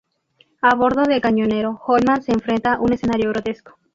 A bordo del cañonero, Holman se enfrenta un escenario grotesco.